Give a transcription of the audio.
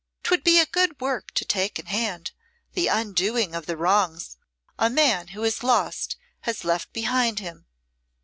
'Twould be a good work to take in hand the undoing of the wrongs a man who is lost has left behind him.